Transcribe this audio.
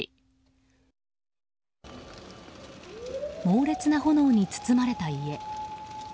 猛烈な炎に包まれた家。